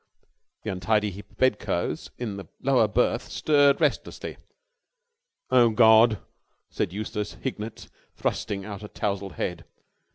The untidy heap of bedclothes in the lower berth stirred restlessly. "Oh, God!" said Eustace Hignett thrusting out a tousled head.